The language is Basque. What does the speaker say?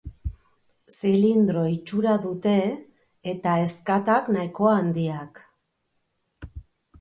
Zilindro itxura dute, eta ezkatak nahiko handiak.